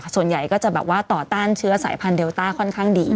ส่วนใหญ่ก็จะแบบว่าต่อต้านเชื้อสายพันธุเดลต้าค่อนข้างดี